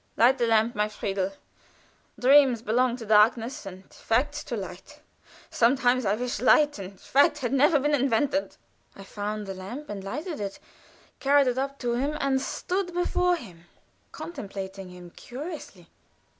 "Light the lamp, my Friedel! Dreams belong to darkness, and facts to light. Sometimes I wish light and facts had never been invented." I found the lamp and lighted it, carried it up to him, and stood before him, contemplating him curiously.